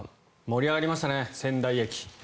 盛り上がりましたね、仙台駅。